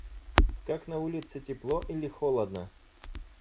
Как на улице тепло или холодно?